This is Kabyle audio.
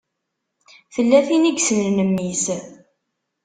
Tella tin i yessnen mmi-s?